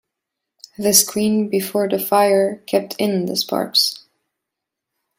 The screen before the fire kept in the sparks.